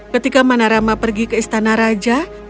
ketika manarama pergi ke istana raja